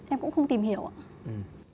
em cũng không tìm hiểu ạ